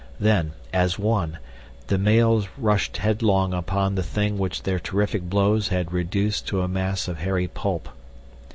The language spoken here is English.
Then, as one, the males rushed headlong upon the thing which their terrific blows had reduced to a mass of hairy pulp.